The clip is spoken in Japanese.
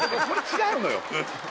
これ違うのよ